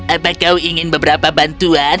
apa kau ingin beberapa bantuan